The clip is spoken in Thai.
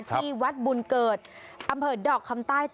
ที่วัดบุญเกิดอำเภอดอกคำใต้